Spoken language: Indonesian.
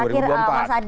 oke terakhir mas adi